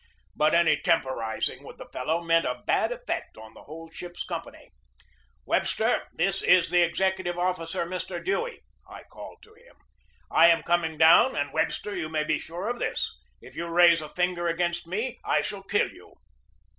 But any temporizing with the fellow meant a bad effect on the whole ship's company. "Webster, this is the executive officer, Mr. Dewey," I called to him. "I am coming down and, Webster, you may be sure of this, if you raise a finger against me I shall kill you."